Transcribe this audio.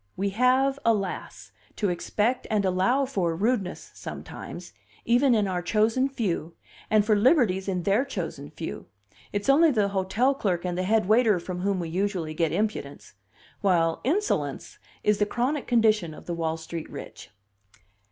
We have, alas! to expect and allow for rudeness sometimes, even in our chosen few, and for liberties in their chosen few; it's only the hotel clerk and the head waiter from whom we usually get impudence; while insolence is the chronic condition of the Wall Street rich."